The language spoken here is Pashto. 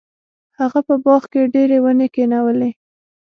هغه په باغ کې ډیرې ونې کینولې.